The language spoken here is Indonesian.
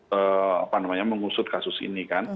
kemudian ada yang mengusut kasus ini